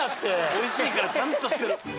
美味しいからちゃんとしてる。